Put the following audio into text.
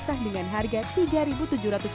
kue plemen yang terbentuk seperti tempur rambut